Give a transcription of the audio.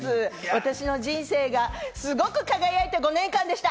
私の人生がすごく輝いた５年間でした。